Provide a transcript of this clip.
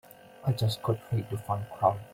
I just got rid of one crowd.